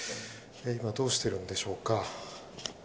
今、どうしているんでしょうか。